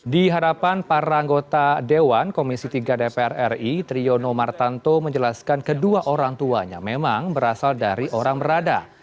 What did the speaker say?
di hadapan para anggota dewan komisi tiga dpr ri triyono martanto menjelaskan kedua orang tuanya memang berasal dari orang berada